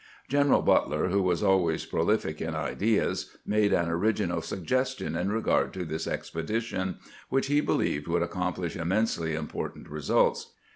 Greneral Butler, who was always prolific in ideas, made an origi nal suggestion in regard to this expedition, which he believed would accomplish immensely important results.